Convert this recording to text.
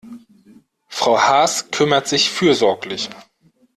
Frau Haas kümmert sich fürsorglich.